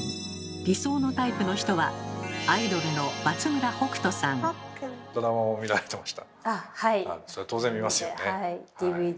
理想のタイプの人はアイドルのそりゃ当然見ますよね。